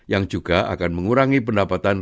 yang juga akan mengurangi pendapatan